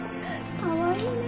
かわいいね。